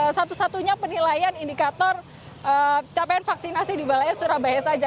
jadi satu satunya penilaian indikator capaian vaksinasi di wilayah surabaya saja